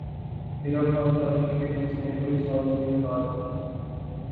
میرا خاندان بھی یہاں سینکڑوں سال سے آباد ہے